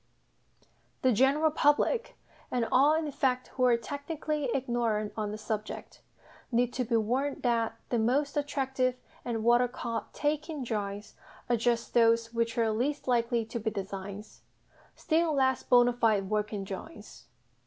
The general public, and all in fact who are technically ignorant on the subject, need to be warned that the most attractive and what are called "taking" drawings are just those which are least likely to be designs still less bonâ fide working drawings.